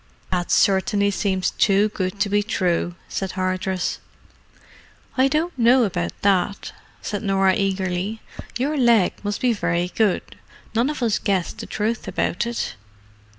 "That certainly seems too good to be true," said Hardress. "I don't know about that," said Norah eagerly. "Your leg must be very good—none of us guessed the truth about it.